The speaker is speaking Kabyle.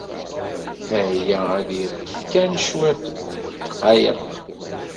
Aya ad yeṭṭef kan cwiṭ n ddqayeq.